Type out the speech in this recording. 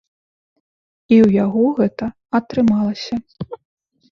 І ў яго гэта атрымалася.